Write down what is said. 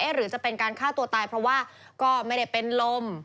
หรือจะเป็นการฆ่าตัวตายเพราะว่าก็ไม่ได้เป็นลม